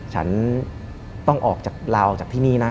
ฉันต้องออกจากลาวออกจากที่นี่นะ